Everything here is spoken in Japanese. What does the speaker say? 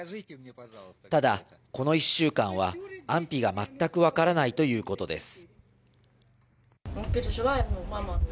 ただこの一週間は安否が全くわからないということです。